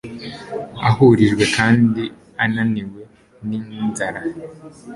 Aruhijwe kandi ananiwe n'inzara